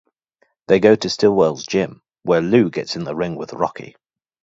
They go to Stillwell's gym, where Lou gets in the ring with Rocky.